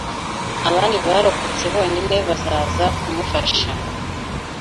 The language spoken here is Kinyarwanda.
abandi barokotse bonyine bazaza kumufasha